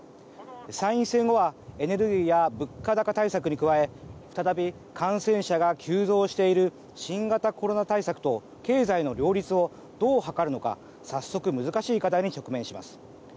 参院選後はエネルギーや物価高対策に加え再び感染者が急増している新型コロナ対策と経済の両立をどう図るのか早速難しい課題に直面します。